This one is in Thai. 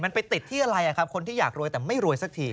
มันไปติดที่อะไรครับคนที่อยากรวยแต่ไม่รวยสักที